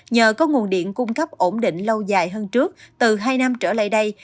nhờ có nguồn điện cung cấp ổn định lâu dài hơn trước từ hai năm trở lại đây